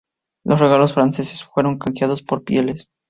Los regalos franceses fueron canjeados por pieles.